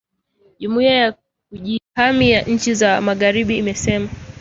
jumuia ya kujihami ya nchi za magharibi imesema